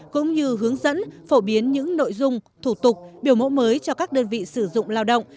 cũng như hướng dẫn phổ biến những nội dung thủ tục biểu mẫu mới cho các đơn vị sử dụng lao động